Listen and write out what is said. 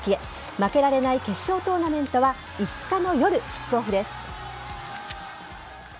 負けられない決勝トーナメントは５日の夜、キックオフです。